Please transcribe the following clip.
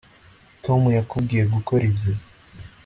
tom yakubwiye gukora ibyo